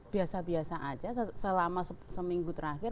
biasa biasa aja selama seminggu terakhir